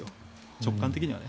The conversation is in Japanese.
直感的にはね。